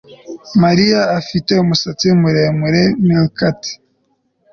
Mariya afite umusatsi muremure meerkat